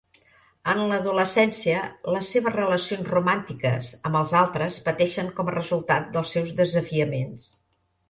En l'adolescència, les seves relacions romàntiques amb els altres pateixen com a resultat dels seus desafiaments.